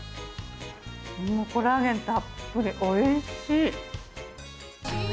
コラーゲンたっぷりおいしい。